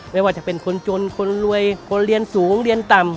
ไม่ว่าจะเป็นคนจนคนรวยคนเรียนสูงเรียนต่ำ